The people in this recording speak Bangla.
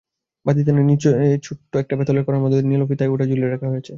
বাতিদানের নিচে ছোট্ট একটা পেতলের কড়ার মধ্যে দিয়ে নীল ফিতোয় ওটা বুলিয়ে রাখা হয়েছে।